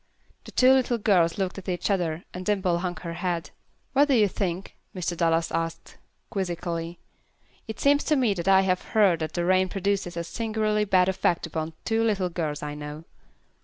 The two little girls looked at each other, and Dimple hung her head. "What do you think?" Mr. Dallas asked, quizzically. "It seems to me that I have heard that the rain produces a singularly bad effect upon two little girls I know."